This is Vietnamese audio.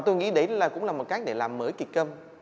tôi nghĩ đấy cũng là một cách để làm mới kịch câm